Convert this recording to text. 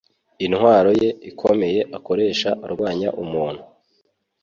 Intwaro ye ikomeye akoresha arwanya umuntu